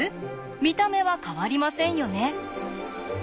見た目は変わりませんよね。